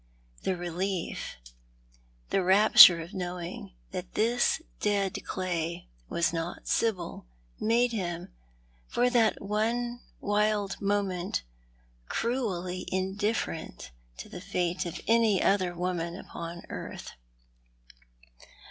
The relief, the rapture of knowing that this dead clay was not Sibyl, made him, for that one wild moment, cruelly indifferent to the fate of any other woman upon earth.